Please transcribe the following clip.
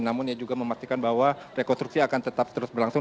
namun ia juga memastikan bahwa rekonstruksi akan tetap terus berlangsung